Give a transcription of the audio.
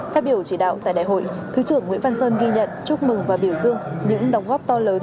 phát biểu chỉ đạo tại đại hội thứ trưởng nguyễn văn sơn ghi nhận chúc mừng và biểu dương những đóng góp to lớn